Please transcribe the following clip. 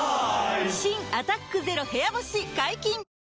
新「アタックＺＥＲＯ部屋干し」解禁‼